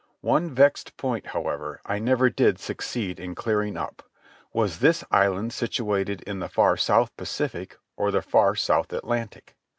One vexed point, however, I never did succeed in clearing up. Was this island situated in the far South Pacific or the far South Atlantic?